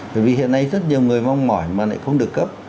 bởi vì hiện nay rất nhiều người mong mỏi mà lại không được cấp